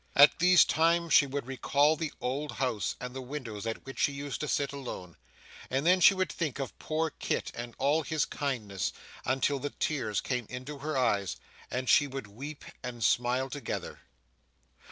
At these times, she would recall the old house and the window at which she used to sit alone; and then she would think of poor Kit and all his kindness, until the tears came into her eyes, and she would weep and smile together.